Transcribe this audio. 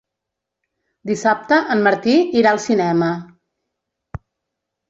Dissabte en Martí irà al cinema.